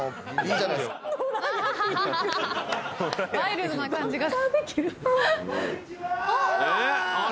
ワイルドな感じが。